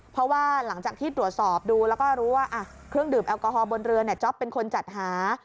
เพราะว่าหลังจากที่ตรวจสอบดูแล้วก็รู้ว่าเครื่องดื่มแอลกอฮอล์บนเรือจ๊อปเป็นคนจัดหา